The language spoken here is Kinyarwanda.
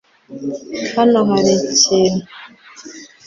Hano hari ikintu .